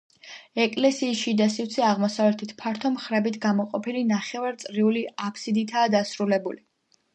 ეკლესიის შიდა სივრცე აღმოსავლეთით, ფართო მხრებით გამოყოფილი ნახევარწრიული აბსიდითაა დასრულებული.